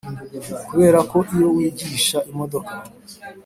Kubera ko iyo wigisha imodoka